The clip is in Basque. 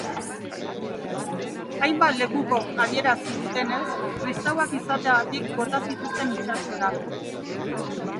Hainbat lekukok adierazi dutenez, kristauak izateagatik bota zituzten itsasora.